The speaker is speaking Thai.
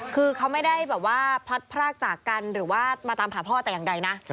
คือเขาไม่ได้แบบว่าพลัดพรากจากกันหรือว่ามาตามหาพ่อแต่อย่างใดนะ